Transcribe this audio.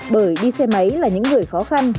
bởi đi xe máy là những người khó khăn